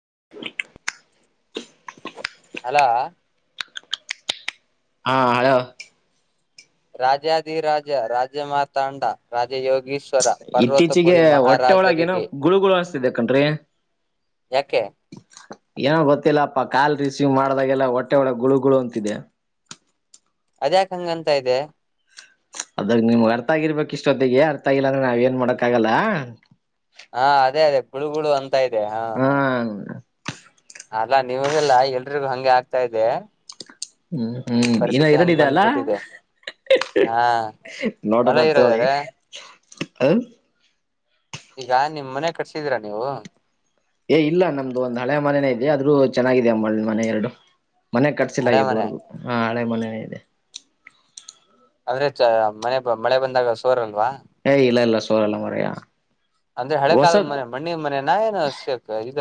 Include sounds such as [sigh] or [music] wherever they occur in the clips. [inaudible] hello ಹಾ hello ರಾಜಧಿ ರಾಜ ರಾಜ ಮಾತಾಂಡ ರಾಜ ಯೋಗೀಶ್ ಶ್ವರ ಇತ್ತೀಚಿಗೆ ಪರ್ವತಪುರಿ ಹೊಟ್ಟೆ ಒಳಗ ಏನೋ ಮಹಾರಾಜರಿಗೆ ಗುಳುಗುಳು ಅನ್ಸ್ತಿದೆ ಕಣ್ರಿ ಯಾಕೆ ಏನೋ ಗೊತ್ತಿಲ್ಲಪ್ಪ ಕಾಲ್ ರಿಸೀವ್ ಮಾಡ್ದಾಗೆಲ್ಲ ಹೊಟ್ಟೆ ಒಳ್ಳೆ ಗುಳುಗುಳು ಅಂತಿದೆ ಅದ್ಯಾಕ್ ಹಂಗಂತ ಇದೆ ಅದಾಗ ನಿಮ್ಗ್ ಅರ್ಥ ಆಗಿರ್ಬೇಕ್ ಇಷ್ಟೊತ್ತಿಗೆ ಅರ್ಥ ಆಗಿಲ್ಲ ಅಂದ್ರೆ ನಾವ್ ಏನ್ ಮಾಡಕ್ ಆಗಲ್ಲ ಹಾ ಅದೇ-ಅದೇ ಪುಳುಗುಳ ಅಂತ ಇದೆ ಹಾ ಹಾ ಅಲ್ಲಾ ನಿಮಗೆಲ್ಲ ಎಲ್ರಿಗೂ ಹಂಗೆ ಆಗ್ತಾ ಇದೆ ಹ್ಮ್ -ಹ್ಮ್ ಇನ್ನ ಪರಿಸ್ಥಿತಿ ಎರಡ ಹಂಗ್ ಇದೆ ಅಲ್ಲ ಬಂದ್ಬಿಟ್ಟಿದೆ ಹಾ ಅಲ್ಲ ನೋಡಣ ತಗೊಳ್ಳಿ ಇರೋದಾರೆ ಹೂ ಈಗ ನಿಮ ಮನೆ ಕಟ್ಸಿದೀರಾ ನೀವು ಏ ಇಲ್ಲ ನಮ್ದು ಒಂದ್ ಹಳೆ ಮನೆನೇ ಇದೆ ಆದ್ರೂ ಚೆನ್ನಾಗಿದೆ ಅಮ್ಮನ ಮನೆ ಎರಡು ಮನೆಕಟಸಿಲ್ ಹಳೆ ಮನೆ ಇದುವರೆಗೂ ಹಾ ಹಳೆ ಮನೇ ಇದೆ ಅದ್ರೆ ಚ ಮನೆ ಮಳೆ ಬಂದಾಗ ಸೋರ್ ಏ ಇಲ್ಲ ಇಲ್ಲ ಸೋರಲ್ಲ ಮರೆಯಾ ಅಂದ್ರೆ ಹಳೆ ಕಾಲದ ಮನೆ ಮಣ್ಣಿ ಮನೆ ನಾ ಏನು ಸೆ ಇದ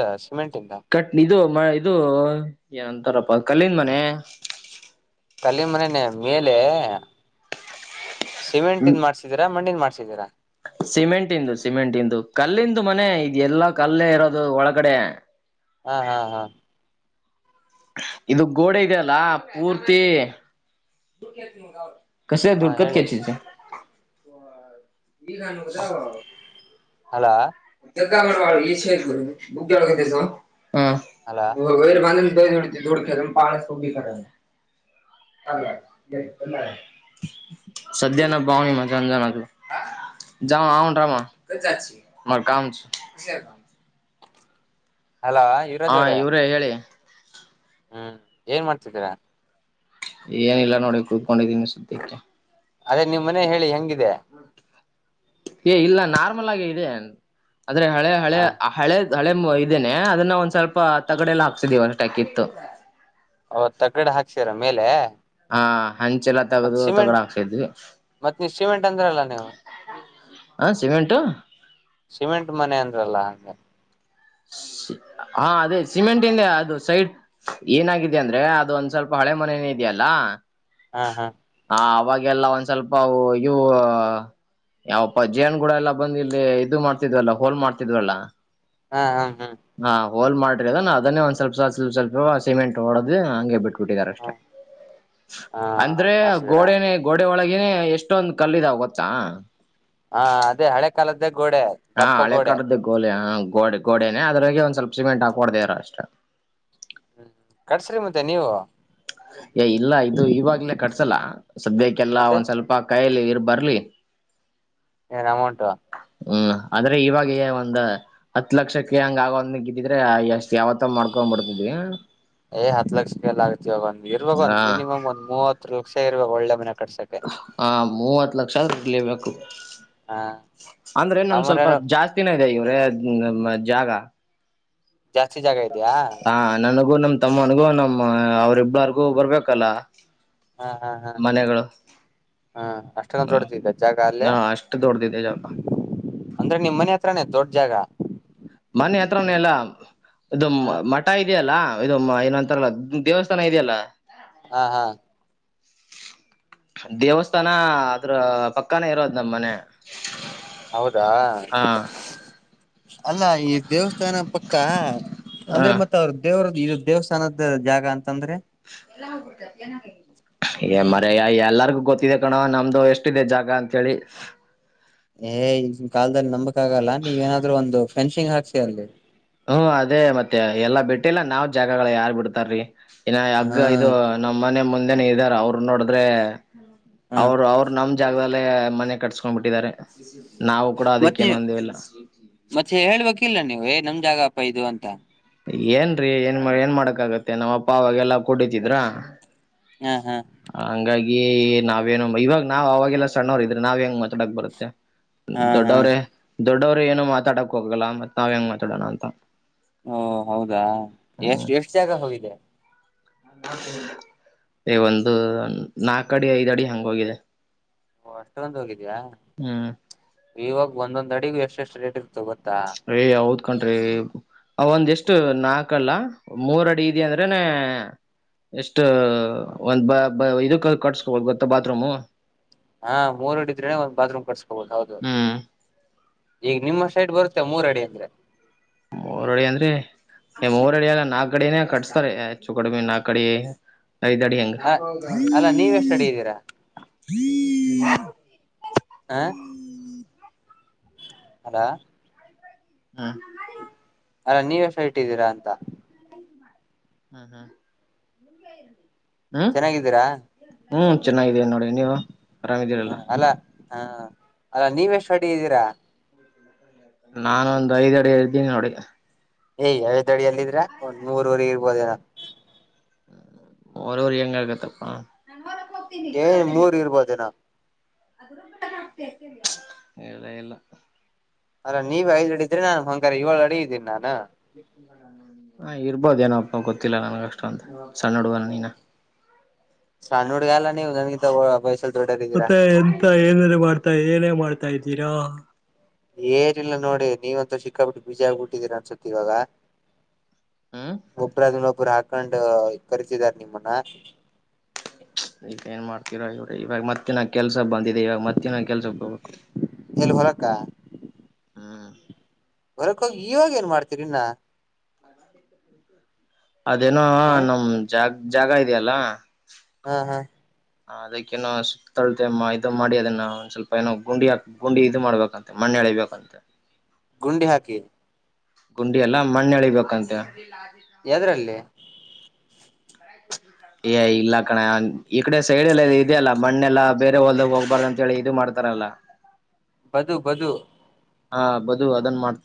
ಕಟ್ ಇದು ಮ ಇದು ಏನಂತಾರಪ್ಪ ಕಲ್ಲಿನ್ ಮನೆ ಕಲ್ಲಿ ಮನೆನೆ ಮೇಲೆ ಸಿಮೆಂಟಿನ್ ಮಾಡ್ಸಿದೀರಾ ಮಣ್ಣಿನ್ ಮಾಡ್ ಸಿಮೆಂಟ್ ಇಂದು ಸಿಮೆಂಟ್ ಇಂದು ಕಲ್ಲಿಂದು ಮನೆ ಈ ಎಲ್ಲಾ ಕಲ್ಲೇ ಇರೋದು ಒಳಗಡೆ ಹಾ -ಹಾ -ಹಾ ಇದು ಗೋಡೆಗ ಅಲ್ಲ ಪೂರ್ತಿ ಕಸ ಹಾ ದದುಡ್ಕತ್ ಹೇಳಿ ಕೆಚಿ [unintelligible] [unintelligible] ಹಲೋ [unintelligible] ಹಲೋ [unintelligible] [unintelligible] [unintelligible] ಹಲೋ ಹಾ ಯುವರಾಜ್ ಅವ್ರೆ ಇವ್ರೇ ಹೇಳಿ ಹ್ಮ್ ಏನ್ ಮಾಡ್ತಿದ್ದೀರಾ ಏನಿಲ್ಲ ನೋಡಿ ಕುತ್ಕೊಂಡಿದೀನಿ ಸದ್ಯಕೆ ಅದೇ ನಿಮ್ ಮನೆ ಹೇಳಿ ಹೆಂಗಿದೆ ಏ ಇಲ್ಲ ನಾರ್ಮಲ್ ಆಗಿ ಇದೆ ಅಂದ್ರೆ ಹಳೆ ಹಳೆ ಹ ಹಳೆ ಹಳೆ ಇದೇನೆ ಅದನ್ನ ಒಂದ್ ಸ್ವಲ್ಪ ತಗಡೆ ಎಲ್ಲ ಹಾಕ್ಸಿದೀವಿ ಅಷ್ಟೇ ಕಿತ್ತು ಅವತ್ ತಗಡೆ ಹಾಕ್ಸೀರ ಮೇಲೆ ಹ ಹಂಚೆಲ್ಲ ಮತ್ ತಗದು ತಗಡ ಸಿಮೆಂಟ್ ಹ್ಯಾಕ್ಸಿದ್ವಿ ಮತ್ ನೀವ್ ಸಿಮೆಂಟ್ ಅಂದ್ರಲ್ಲ ನೀವು ಆ ಸಿಮೆಂಟ ಸಿಮೆಂಟ್ ಮನೆ [unintelligible] ಹಾ ಅದೇ ಸಿಮೆಂಟ್ ಇಂದ ಅದು ಸೈಡ್ ಏನಾಗಿದೆ ಅಂದ್ರೆ ಅದು ಒಂದ್ ಸ್ವಲ್ಪ ಹಳೆ ಮನೆ ಇದೇ ಅಲ್ಲಾ ಹಾ ಹಾ ಹ ಅವಾಗೆಲ್ಲ ಒಂದ್ ಸ್ವಲ್ಪ ಅವು ಇವು ಯಾವಪ್ಪ ಜೇನ್ ಗೂಡ ಎಲ್ಲಾ ಬಂದ ಇಲ್ಲಿ ಇದು ಮಾಡ್ತಿದ್ವಲ್ಲ ಹೋಲ್ ಮಾಡ್ತಿದ್ವಲ್ಲ ಹಾ ಹಾ ಹ್ಮ್ ಹಾ ಹೋಲ್ ಮಾಡ್ರಿ ಅದ ನಾ ಅದನ್ನೇ ಒಂದ್ ಸ್ವಲ್ಪ ಸ್ವಲ್ಪ ಸ್ವಲ್ಪ ಸಿಮೆಂಟ್ ಹೊಡದ್ ಹಂಗೆ ಬಿಟ್ ಬೀಟಿದರೆ ಅಷ್ಟೇ ಹ್ಮ್ ಹಾ ಅಂದ್ರೆ ಹಂಗ್ ಮಾಡ್ಸಿದೀರಾ ಗೋಡೆನೆ ಗೋಡೆ ಒಳಗೆ ಏನ ಎಷ್ಟೊಂದ್ ಕಲ್ಲಿದಾವ ಗೊತ್ತಾ ಹಾ ಅದೇ ಹಳೆ ಕಾಲದ್ದಾಗ ಹಾ ಹಳೆ ಕಾಲದ ಗೋಡೆ ಹಾ ಗೋಡೆ ಗೋಡೆನೆ ಅದ್ರೊಗೆ ಒಂದ್ ಸ್ವಲ್ಪ ಸಿಮೆಂಟ್ ಹಾಕಿ ಹೊಡೆದಿಂದರೆ ಅಷ್ಟೆ ಹ್ಮ್ ಕಟ್ಸ್ರಿ ಮತ್ತೆ ನೀವು ಏ ಇಲ್ಲ ಇದು ಇವಾಗ್ಲೇ ಕಟ್ಸಲ್ಲ ಸದ್ಯಕ್ಕೆಲ್ಲಾ ಮತ್ತೆ ಒಂದ್ ಸ್ವಲ್ಪ ಕೈಯಲಿ ಬರಲಿ ಏನ್ ಅಮೌಂಟಾ ಹ್ಮ್ ಆದ್ರೆ ಇವಾಗ ಒಂದ್ ಹತ್ ಲಕ್ಷಕ್ಕೆ ಹಂಗ ಆಗುವಂಗ್ ಇದ್ದಿದ್ರೆ ಎಷ್ಟ್ ಯಾವತ್ತ ಮಾಡ್ಕೊ ಮಾಡ್ತಿದೀವಿ ಏ್ ಹತ್ ಲಕ್ಷಕ್ಕೆಲ್ಲ ಆಗಕಿಲ್ಲಾ ಒಂದ ಇರ್ಬೇಕು ಒಂದ ಹಾ ಮಿನಿಮ್ಮಾ ಒಂದ್ ಮೂವತ್ತು ಲಕ್ಷ ಇರ್ಬೇಕ್ ಒಂದ ಒಳ್ಳೆ ಮನೆ ಕಟ್ಸಕ್ಕೆ ಹಾ ಮೂವತ್ ಲಕ್ಷ ಇರ್ಬೇಕು ಹ ಅಂದ್ರೆ ನಮ್ ಸ್ವಲ್ಪ ನಮ್ಮನೇನು ಜಾಸ್ತಿನೆ ಇದೆ ಇವ್ರೆ ಜಾಗ ಜಾಸ್ತಿ ಜಾಗ ಇದೆಯಾ ಹಾ ನನಗೂ ನಮ ತಮ್ಮನಿಗೂ ನಮ್ಮ ಅವ್ರಿಬ್ಳಾರ್ಗೂ ಬರ್ಬೇಕಲ್ಲ ಹಾ ಹಾ ಹಾ ಮನೆಗಳು ಹಾ ಅಷ್ಟನ ಹ್ಮ್ ದೋಡ್ತಿದ್ದ ಜಾಗ ಅಲ್ಲೇ ಹಾ ಅಷ್ಟು ದೊಡ್ದಿದೆ ಜಾಗ ಅಂದ್ರೆ ನಿಮ್ಮ್ ಮನೆ ಹತ್ರಾನೇ ದೊಡ್ ಜಾಗ ಮನೆ ಹತ್ರವನ ಎಲ್ಲ ಇದು ಹ ಮಠ ಇದೆಯಲ್ಲಾ ಇದು ಮು ಏನೊ ಅಂತಾರಲ್ಲ ದೇವಸ್ಥಾನ ಇದೆಯಲ್ಲ ಹಾ ಹಾ ದೇವಸ್ಥಾನ ಅದ್ರ ಪಕ್ಕಾನೆ ಇರೋದ್ ನಮ್ ಮನೆ ಹೌದಾ ಹ ಅಲ್ಲ ಈ ದೇವಸ್ಥಾನ ಪಕ್ಕ ಹ ಅಂದ್ರೆ ಮತ್ ಅವ್ರ ದೇವ್ರ ಇದು ದೇವಸ್ಥಾನದ ಜಾಗ ಅಂತಂದ್ರೆ ಮರಯಾ ಎಲ್ಲಾರಗು ಗೊತ್ತಿದೆ ಕಣೋ ನಮ್ದು ಎಸ್ಟ್ ಇದೆ ಜಾಗ ಅಂತ ಹೇಳಿ ಏ ಈಗಿನ್ ಕಾಲದಲ್ಲಿ ನಂಬಕ್ ಆಗಲ್ಲ ನೀವ್ ಏನಾದ್ರು ಒಂದು ಫೆನ್ಸಿಂಗ್ ಹಾಕ್ಸಿ ಅಲ್ಲಿ ಹ್ಮ ಅದೇ ಮತ್ತೆ ಎಲ್ಲಾ ಬಿಟ್ಟಿಲ್ಲ ನಾವ್ ಜಾಗಗಳ ಯಾರ್ ಬಿಡ್ತಾರ್ರೀ ಇನ್ನು ಯಗ್ಗ ಹಾ ಇದು ನಮ್ಮ್ ಮನೆ ಮುಂದೆನೆ ಇದ್ದಾರ್ ಅವರು ನೋಡಿದ್ರೆ ಹಾ ಅವರು ಅವರು ನಮ್ ಜಾಗದಲ್ಲೇ ಮನೆ ಕಟ್ಸ್ಕೊಂಡ್ ಬಿಟ್ಟಿದ್ದಾರೆ ನಾವು ಕೂಡ ಮತ್ತ ಅದಕ್ಕೇನು ಅಂದಿಲ್ಲ ಮತ್ತೆ ಹೇಳ್ಬೇಕಿಲ್ಲ ನೀವು ಏ ನಮ್ ಜಾಗಪ ಇದು ಅಂತ ಏನ್ರೀ ಏನ್ ಏನ್ ಮಾಡಕ್ ಆಗತ್ತೆ ನಮ್ಮ ಅಪ್ಪ ಅವಾಗೆಲ್ಲಾ ಕುಡಿತಿದ್ರ ಹಾ ಹಾ ಈ ನಾವೇನ ಇವಾಗ ನಾವ್ ಅವಾಗೆಲ್ಲಾ ಸಣ್ಣವರ್ ಇದ್ರೆ ನಾವ್ ಹೆಂಗ್ ಮಾತಾಡಕ್ ಬರುತ್ತೆ ಹಾ ಹಾ ದೊಡ್ಡವ್ರೇ ದೊಡ್ಡವ್ರ ಏನು ಮಾತಾಡಕ್ ಹೋಗಲ್ಲ ಮತ್ ನಾವ್ ಹೆಂಗ್ ಮಾತಾಡೋಣ ಅಂತ ಓ ಹೌದಾ ಹ್ಮ್ ಎಷ್ಟ್ ಎಷ್ಟ್ ಜಾಗ ಹೋಗಿದೆ ಒಂದು ನಾಕ್ ಅಡಿ ಐದ್ ಅಡಿ ಹಂಗೋಗಿದೆ ಓ ಅಷ್ಟೊಂದು ಹೋಗಿದ್ಯಾ ಇವಾಗ ಒಂದೊಂದ್ ಅಡಿಗು ಎಷ್ಟ್ ಎಷ್ಟ್ ರೇಟ್ ಇರ್ತ ಹೇ ಹೌದು ಕಣ್ರೀ ಒಂದ್ ಎಷ್ಟು ನಾಕಲ್ಲ ಮೂರ್ ಅಡಿ ಇದೆ ಅಂದ್ರೆನ ಎಷ್ಟ ಒಂದ್ ಬ ಇದಕ್ಕ ಕಟ್ಸ್ಕೊಬೋದು ಗೊತ್ತ ಬಾತ್ರೂಮು ಹಾ ಮೂರು ಆಡಿ ಇದ್ದರೆ ಒಂದ್ ಬಾತ್ರೂಂ ಕಟ್ಟಿಸ್ ಹ್ಮ್ ಈಗ ನಿಮ್ ಸೈಡ್ ಬರುತ್ತೆ ಮೂರು ಆಡಿ ಅಂದ್ರೆ ಎ ಮೂರು ಅಡಿ ಅಲ್ಲ ನಾಕ್ ಅಡಿನೇ ಕಟ್ಸ್ತಾರೆ ಹೆಚ್ಚು ಕಡಿಮೆ ನಾಕ್ ಅಡಿ ಐದ್ ಅಡಿ ಹಂಗ ಅ ಅಲ್ಲಾ ನೀವ್ ಎಷ್ಟ್ ಅಡಿ ಇದ್ದೀರಾ ಆ ಅಲಾ ಹ ಅಲ್ಲಾ ನೀವ್ ಎಷ್ಟು ಹೈಟ್ ಇಟ್ಟಿದ್ದೀರಾ ಅಂತ ಹಹ ಚೆನ್ನಾಗಿದ್ದೀರಾ ಹ್ಮ್ ಚೆನ್ನಾಗಿದಿವ್ ನೋಡಿ ನೀವು ಆರಾಮಿದೀರಲ್ಲ ಹಾ ಅಲ್ಲ ನೀವ್ ಎಷ್ಟು ಅಡಿ ಇದ್ದೀರಾ ನಾನ ಒಂದ್ ಐದ್ ಅಡಿ ಇದ್ದೀನಿ ನೋಡಿ ಹೇ ಐದಡಿಯಲ್ಲಿದ್ರ ಒಂದ್ ಮೂರವರೆ ಇರ್ಬೋದೇನೊ ಮೂರುವರೆ ಹೆಂಗ್ ಆಗುತ್ತಪ್ಪ ಏ ಮೂರ್ ಇರ್ಬೋದನೋ [inaudible] ಹೇ ಇಲ್ಲ ಇಲ್ಲ ಹಂಗಾರೆ ನೀವ್ ಐದ್ ಅಡಿ ಇದೀರಿ ನಾನು ಅಂಗಾರೆ ಏಳ್ ಅಡಿ ಇದ್ದೀನ್ ನಾನು ಹಾ ಇರ್ಬೋದ್ ಏನಪ್ಪ ಗೊತ್ತಿಲ್ಲ ನನ್ಗ ಅಷ್ಟ ಅಂತ ಸಣ್ಣ ಹುಡುಗ ನೀನು ಹ [unintelligible] ಸಣ್ ಹುಡುಗ ಅಲ್ಲ ನೀವು ನನಗಿಂತ ವಯಸ್ಸಲ್ಲಿ ದೊಡ್ಡವ್ರ್ ಇದ್ದೀರಾ ಮತ್ತೆ [unintelligible] ಇದಿರ ಏನಿಲ್ಲನೋಡಿ ನೀವಂತ ಸಿಕ್ಕಾ ಪಟ್ಟೆ ಬಿಝಿ ಆಗ್ಬಿಟ್ಟಿದ್ದೀರ ಅನ್ಸುತ್ತ ಇವಾಗ ಹ್ಮ್ ಒಬರದನ್ನ ಒಬ್ಬರು ಹಾಕೊಂಡು ಕರಸಿದಾರ ನಿಮ್ಮನ್ನ ಈಗ ಏನ್ ಮಾಡ್ತಿೀರಾ ಇವ್ರ ಇವಾಗ ಮತ್ತೆ ನಾ ಕೆಲ್ಸ ಸ ಬಂದಿದೆ ಈವ ಮತ್ತೆ ನಾ ಕೆಲಸಕ್ಕೆ ಹೋಗಬೇಕು [unintelligible] ಎಲ್ಲಿ ಹೊಲಕ್ಕ ಹ್ಮ್ [unintelligible] ಕೋ ಇವಾಗ ಏನ್ ಮಾಡ್ತರಿ ಇನ್ನ ಅದೇನೋ ಹ ನಮ್ ಜಾಗ ಜಾಗ ಇದೆಯಲ್ಲ ಹಾ ಹಾ ಅದಕ್ಕೇನೋ ಸಿಕ್ತಳತೆೆ ಇದು ಮಾಡಿ ಅದನ್ನ ಒಂದ್ ಸ್ವಲ್ಪ ಏನೋ ಗುಂಡಿ ಗುಂಡಿ ಇದು ಮಾಡ್ಬೇಕಂತೆ ಮಣ [unintelligible] [unintelligible] ಳಿ ಬೇಕಂತೆ ಗುಂಡಿ ಹಾಕಿ ಗುಂಡಿ ಎಲ್ಲ ಮಣ್ಣೆ ಅಳಿಬೇಕಂತೆ ಯದ್ರಲ್ಲಿ ಏ ಇಲ್ಲ ಕಣ ಈ ಕಡೆ ಸೈಡ್ಲ್ಲ ಇದದೆಲ್ಲ ಮಣ್ಣೆಲ್ಲ ಬೇರೆ ಹೊಲದಾಗ ಹೋಗ್ಬಾರ್ದ ಅಂತ ಹೇಳಿ ಇದು ಮಾಡ್ತಾರಲ್ಲ ಬದು ಬದು ಹಾ ಬದು ಅದನ್ ಮಾಡ್ತ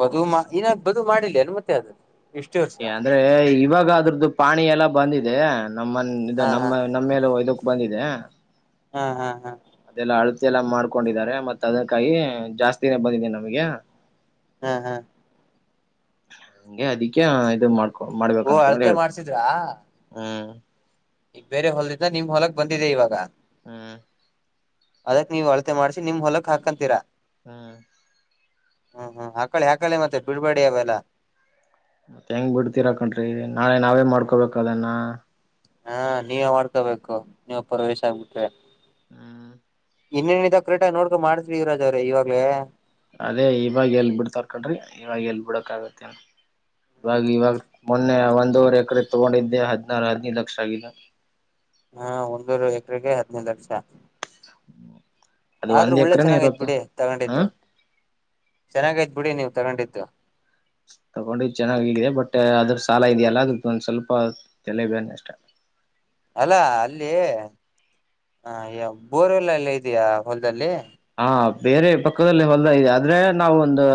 ಬದು ಮಾ ಇನ್ನ ಬದು ಮಾಡಿಲ್ಲ ಅನ್ ಮತ್ತೆ ಇಷ್ಟು ವರ್ಷ ಅಂದ್ರೆ ಇವಾಗ ಅದ್ರದ್ದು ಪಾಣಿ ಎಲ್ಲ ಬಂದಿದೆ ನಮ್ಮ ಹ ಹ ನಮ್ಮ ನಮ್ಮ ಹೊಲಕ್ಕೆ ಇದಕ್ ಬಂದಿದೆ ಹಾ ಹಾ ಹಾ ಅದೆಲ್ಲ ಅಳತೆ ಎಲ್ಲ ಮಾಡ್ಕೊಂಡಿದಿದ್ದಾರೆ ಮತ್ತ ಅದಕ್ಕಾಗಿ ಜಾಸ್ತಿನೇ ಬಂದಿದೆನಿ ನಮಗೆ ಹಾ ಹಾ ಹಂಗೆ ಅದಕ್ಕೆ ಇದು ಮಾಡ ಓ ಮಾಡ್ಬೇಕಂತ ಹೇಳಿ ಅಳತೆ ಹೇಳ್ತಾರೆ ಮಾಡ್ಸಿದ್ರಾ ಹ್ಮ್ ಈಗ ಬೇರೆ ಹೊಲ್ದಿಂದ ನಿಮ್ ಹೊಲಕ್ಕೆ ಬಂದಿದೆ ಇವಾಗ ಹ್ಮ ಅದಕ್ ನೀವ್ ಅಳತೆ ಮಾಡ್ಸಿ ನಿಮ್ ಹೊಲಕ್ ಹಾಕಂತೀರಾ ಹ್ಮ್ ಹ್ಮ್ ಹ್ಮ್ ಹಾಕಳೆ ಹಾಕಳೆ ಮತ್ತೆ ಬಿಡ್ಬಡ ಅವೆಲ್ಲ ಮತ್ತೆ ಹೆಂಗ್ ಬಿಡ್ತೀರ ಕಣ್ರೀ ನಾಳೆ ನಾವೇ ಹ್ಮ್ ಮಾಡ್ಕೊಬೇಕ ಅದನ್ನ ಹಾ ನೀವೇ ಮಾಡ್ಕೋಬೇಕು ನೀವು ಪ್ರವೇಶ ಆಗ್ಬಿಟ್ರೆ ಹ್ಮ್ ಇನ್ನೇನ್ ಇದೇ ಕರೆಕ್ಟಾಗಿ ನೋಡ್ಕೊ ಮಾಡಿಸ್ರಿ ಯುವರಾಜ ಅವರೇ ಇವಾಗಲೇ ಅದೇ ಇವಾಗ ಎಲ್ ಬಿಡ್ತರ್ಕೊಂಡ್ರಿ ಇವಾಗ ಎಲ್ ಬಿಡಕ್ ಆಗತ್ತೇನ್ ಇವಾಗ ಇವಾಗ ಮೊನ್ನೆ ಒಂದೂವರ್ ಎಕರೆ ತಗೊಂಡಿದ್ದೆ ಹದ [unintelligible] [unintelligible] ರಾಜನಿ ಲಕ್ಷಾಗಿಲ್ಲ [inaudible] ಹಾ ಒಂದೂರು ಎಕರೆಗೆ ಹದ್ನೈದು ಲಕ್ಷ [inaudible] ಅದು ಆದ್ರೆ ಒಂದ್ ಒಳ್ಳೆ ಎಕರೆನೇ ಚೆನ್ನಾಗೈತ್ ಇರತ್ತು ಬಿಡಿ ಹ ತಗೊಂಡಿದ್ದು ಚೆನ್ನಾಗೈತ್ ಬಿಡಿ ನೀವು ತಗೊಂಡಿದ್ದು ತಗೊಂಡು ಚೆನ್ನಾಗಿದೆ ಬಟ್ ಅದ್ರ ಸಾಲ ಇದೆಯಲ್ಲ ಅದೊಂದ್ ಸ್ವಲ್ಪ ತಲೆಬೇ ಅಷ್ಟೇ [inaudible] ಅಲ್ಲ ಅಲ್ಲಿ ಬೋರ್ವೆಲ್ಲ ಎಲ್ಲ ಇದಯಾ ಹೊಲದಲ್ಲಿ ಹಾ ಬೇರೆ ಪಕ್ಕದಲ್ಲಿ ಹೊಲ್ದ ಇದೆ ಆದ್ರೆ ನಾವ ಒಂದು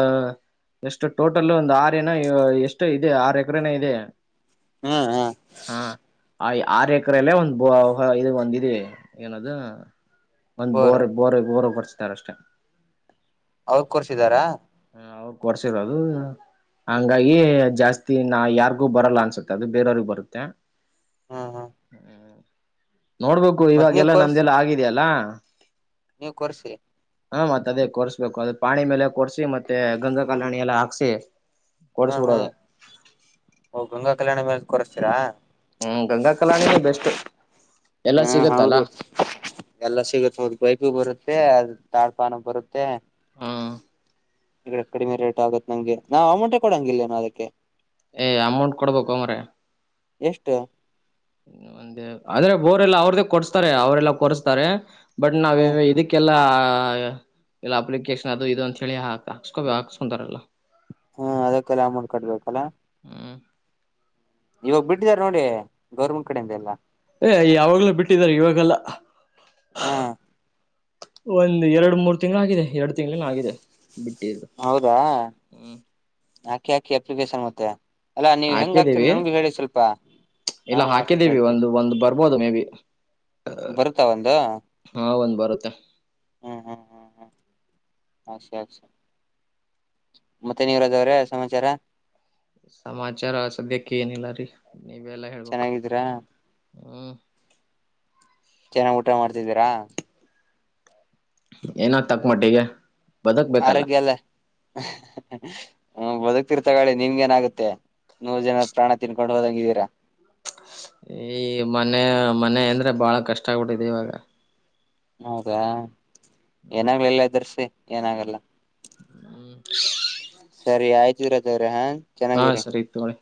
ಎಷ್ಟು ಟೋಟಲ್ ಒಂದು ಆರು ಏನೋ ಎಷ್ಟು ಇದೆ ಆರು ಎಕರೆನ ಇದೆ ಹ್ಮ್ ಹ್ಮ್ ಹಾ ಆ ಆರು ಎಕರಲ್ಲೇ ಒಂದ್ ಬ [unintelligible] ಇದು ಒಂದ ಏನದು ಒಂದ್ ಬೋರ್ ಬೋರ್ ಬೋರ್ ಕರ್ಸ್ತಾರ ಅಷ್ಟೆ ಅವ್ರ ಕರ್ಸಿದಾರಾ ಅವ ಕೊಡ್ಸಿರೋದು ಹಂಗಾಗಿ ಜಾಸ್ತಿ ನಾ ಯಾರಿಗೂ ಬರಲ್ಲ ಅನ್ಸುತ್ತೆ ಅದು ಬೇರೆಯವ್ರಿಗೆ ಬರುತ್ತೆ ಹ್ಮ್ ಹ್ಮ್ ಹ್ಮ ನೋಡ್ಬೇಕು ಮತ್ ನೀವ್ ಇವಾಗೆಲ್ಲ ಕೊರ್ಸ್ ನಮ್ದೆಲ್ಲ ಆಗಿದೆಯಲ್ಲ ನೀವ್ ಕೊರ್ಸಿ ಹಾ ಮತ್ತತ್ ಅದೇ ಕೊಡ್ಸ್ಬೇಕು ಅದ ಪಾಣಿ ಮೇಲೆ ಕೊಡ್ಸಿ ಮತ್ತೆ ಮತ್ತ ಗಂಗಾ ಕಾಲನಿ ಎಲ್ಲಾ ಹಾಕಿಸಿ ಹಾ ಹಾ ಗಂಗಾ ಕಲ್ಯಾಣ ಮೇಲ್ ಕೊರ್ಸ್ತೀರಾ ಹ್ಮ್ ಗಂಗಾ ಕಲಾಣಿ ನೆ ಬೆಸ್ಟ್ ಎಲ್ಲಾ ಹಾ ಸಿಗತ್ತಲ್ಲ ಹೌದು ಎಲ್ಲ ಸಿಗುತ್ತ ಹದ್ ಬೈಕು ಬರುತ್ತೆ ಅ ತಾಳಪಾನ ಬರುತ್ತೆ ಹಾ ಈ ಕಡಿಮೆ ರೇಟ್ ಆಗತ್ ನಂಗೆ ನಾವವು ಅಮೌಂಟೇ ಕೊಡಂಗಿಲ್ಲೇನೋ ಅದಕ್ಕೆ ಏ ಅಮೌಂಟ್ ಕೊಡ್ಬೇಕು ಮಾರಯ್ಯ ಎಷ್ಟು ಒಂದೇ ಆದ್ರೆ ಬೋರೆಲ್ಲಾ ಅವ್ರ್ದೇ ಕೊರಸ್ತಾರೆ ಅವರೆಲ್ಲಾ ಕೊರಸ್ತಾರೆ ಬಟ್ ನಾವೇ ಹ್ಮ್ ಇದಕ್ಕೆಲ್ಲಾ ಇಲ್ಲ ಅಪ್ಲಿಕೇಶನ್ ಅದು ಇದು ಅಂತ ಹೇಳಿ ಹಾ ಹಾಕ್ಸ್ಕೊ ಹಾಕ್ಸ್ಕೊಂತಾರಲ್ಲ ಹ್ಮ ಅದಕ್ಕೆಲ್ಲ ಅಮ್ಮೌಂಟ್ ಕಟ್ಬೇಕಲ್ಲ ಹ್ಮ್ ಇವಾಗ್ ಬಿಟ್ಟಿದಿದ್ದಾರೆ ನೋಡಿ ಗೌರ್ಮೆಂಟ್ ಕೇಡೆಂದು ಎಲ್ಲಾ ಏ ಯಾವಾಗಲೂ ಬಿಟ್ಟಿದಿದ್ದಾರೆ ಇವಾಗಲ್ಲ ಹಾ ಒಂದ್ ಎರಡು ಮೂರು ತಿಂಗಳ ಆಗಿದೆ ಎರಡು ತಿಂಗಳಿನ ಆಗಿದೆ ಬಿಟ್ಟಿದ್ದು ಹೌದಾ ಹ್ಮ್ ಹಾಕಿ ಹಾಕಿ ಅಪ್ಲಿಕೇಶನ್ ಮತ್ತೆ ಅಲ್ಲಾ ನೀವ್ ಹೆಂಗ ಹಾಕ್ತಿರಿ ಹಾಕಿದೀವಿ ನಮಗ ಹೇಳಿ ಸ್ವಲ್ಪ ಇಲ್ಲ ನಾವು ಹಾಕಕ್ ಹಾಕಿದೀವಿ ಹೇಳ್ತೀವಿ ಒಂದು ಒಂದ್ ಬರ್ಬೋದು ಮೇ ಬಿ ಬರುತ ಒಂದು [unintelligible] ಅಷ್ಟೇ ಅಷ್ಟೇ ಮತ್ತೆನ್ ಯುವರಾಜ್ ಅವ್ರೆ ಸಮಾಚಾರ ಸಮಾಚಾರ ಸದ್ಯಕ್ಕೆ ಏನಿಲ್ಲ ರೀ ನೀವೆಲ್ಲಾ ಹೇಳ್ಬೇಕು ಚೆನ್ನಾಗಿದ್ದೀರಾ ಹ್ಮ ಚೆನ್ನಾಗ್ ಊಟ ಮಾಡ್ತಿದ್ದೀರಾ ಏನೋ ತಕ್ ಮಟ್ಟಿಗೆ ಬದುಕ್ಬೇಕಲ್ಲ ಆರೋಗ್ಯ ಎಲ್ಲಾ ಹ್ಮ ಬದಕ್ತಿರ್ ತಗೊಳ್ಳಳಿ ನಿಮ್ಗೆ ಏನಾಗುತ್ತೆ ನೂರು ಜನ ಪ್ರಾಣ ತಿನ್ಕೊಂಡು ಹೋದಂಗ್ ಇದೀರಾ ಈ ಮನೆ ಮನೆ ಅಂದ್ರೆ ಬಾಳ ಕಷ್ಟ ಆಗ್ಬಿಟ್ಟಿದೆ ಇವಾಗ ಹೌದಾ ಏನಾಗ್ಲಿಲ್ಲ ಎದರ್ಸಿ ಏನಾಗಲ್ಲ ಹ್ಮ್ ಸರಿ ಆಯ್ತು ಯುವರಾಜ್ ಅವ್ರೆ ಹಾ ಹಾ ಚೆನ್ನಾಗಿರಿ ಸರಿ ತಗೋಳಿ